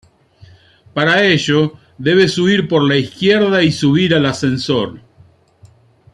Para ello, debes huir por la izquierda y subir al ascensor.